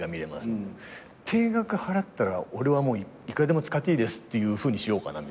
定額払ったら俺はもういくらでも使っていいですっていうふうにしようかみたいな。